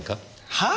はあ？